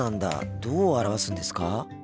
どう表すんですか？